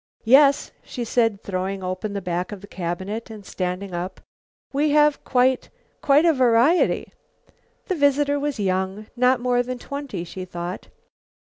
"Yes," she said, throwing open the back of the cabinet and standing up, "we have, quite quite a variety." The visitor was young, not more than twenty, she thought.